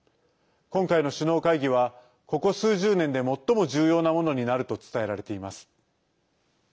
今回の首脳会議はここ数十年で最も重要なものになると伝えられています。